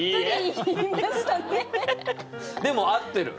でも合ってる。